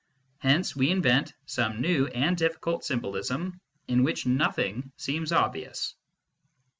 Hence we invent some new and difficult symbolism, in which nothing seems obvious.